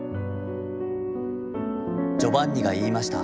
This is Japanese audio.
ジョバンニが云ひました」。